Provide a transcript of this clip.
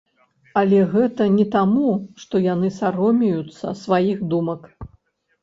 Але гэта не таму, што яны саромеюцца сваіх думак.